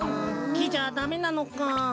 きじゃダメなのか。